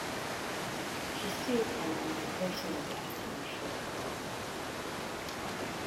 She still earned a personal best in the short program.